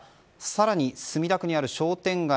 更に墨田区にある商店街